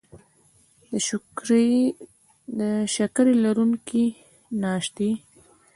د شکرې لرونکي ناشتې